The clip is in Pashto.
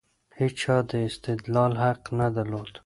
هيچا د استدلال حق نه درلود.